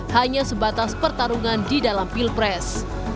hanya sebatas pertarungan di dalam pilpres